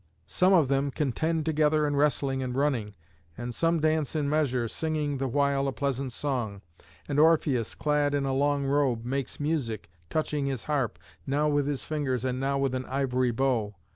Some of them contend together in wrestling and running; and some dance in measure, singing the while a pleasant song; and Orpheus, clad in a long robe, makes music, touching his harp, now with his fingers and now with an ivory bow.